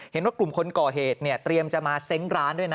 เห็นว่ากลุ่มคนก่อเหตุเนี่ยเตรียมจะมาเซ้งร้านด้วยนะ